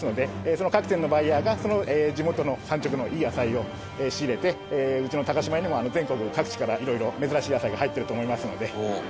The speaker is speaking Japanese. その各店のバイヤーがその地元の産直のいい野菜を仕入れてうちの島屋にも全国各地からいろいろ珍しい野菜が入っていると思いますので。